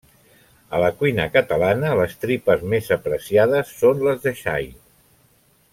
A la cuina catalana les tripes més apreciades són les de xai.